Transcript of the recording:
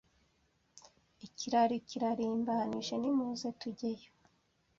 Ikirar kirarimbanije nimuze tujyeyo